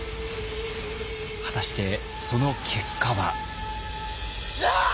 果たしてその結果は？